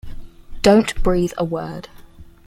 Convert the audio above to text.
Don't breathe a word!